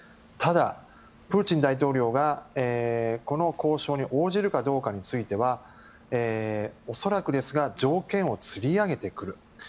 ただ、プーチン大統領がこの交渉に応じるかどうかは恐らくですが条件をつり上げてくる。